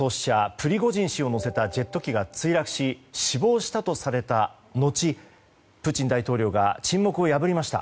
プリゴジン氏を乗せたジェット機が墜落し死亡したとされたのちプーチン大統領が沈黙を破りました。